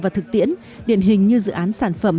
và thực tiễn điển hình như dự án sản phẩm